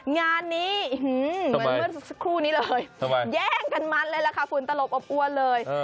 งานนี้เหมือนเมื่อสักครู่นี้เลยแย่งกันมันเลยล่ะค่ะฝุ่นตลบอบอวนเลย